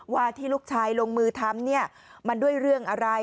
ว่าที่ลูกชายลงมือทำเนี่ยมันด้วยเรื่องอะไร